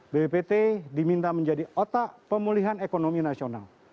bppt diminta menjadi otak pemulihan ekonomi nasional